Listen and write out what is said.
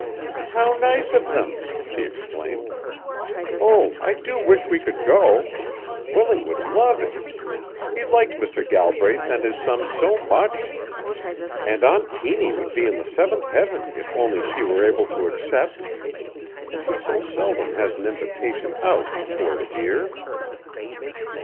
"How nice of them!" she exclaimed. "Oh, I do wish we could go! Willie would love it. He liked Mr. Galbraith and his son so much! And Aunt Tiny would be in the seventh heaven if only she were able to accept. She so seldom has an invitation out, poor dear!"